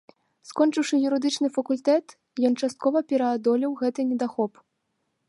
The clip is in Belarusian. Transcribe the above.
Скончыўшы юрыдычны факультэт, ён часткова пераадолеў гэты недахоп.